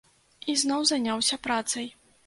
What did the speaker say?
І зноў заняўся працай.